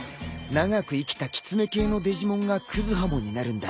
長く生きたキツネ系のデジモンがクズハモンになるんだ。